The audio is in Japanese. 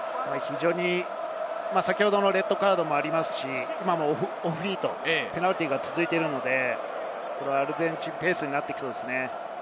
先ほどのレッドカードもありますし、オフフィート、ペナルティーが続いているので、アルゼンチンペースになってきそうですね。